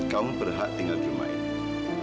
kamu berhak tinggal di rumah ini